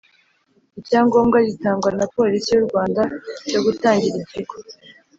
icyangombwa gitangwa na Polisi y u Rwanda cyo gutangira ikigo